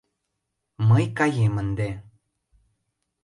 — Мый каем ынде.